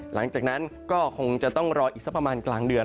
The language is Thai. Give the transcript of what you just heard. หลังจากนั้นก็คงจะต้องรออีกสักประมาณกลางเดือน